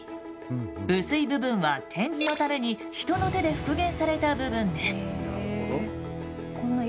薄い部分は展示のために人の手で復元された部分です。